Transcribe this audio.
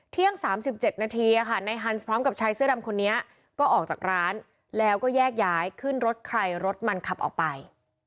เที่ยง๓๗นาทีในฮันส์พร้อมกับชายเสื้อดำคนนี้ก็ออกจากร้านแล้วก็แยกย้ายขึ้นรถใครรถมันขับออกไป